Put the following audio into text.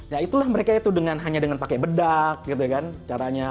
ya itulah mereka itu hanya dengan pakai bedak gitu kan caranya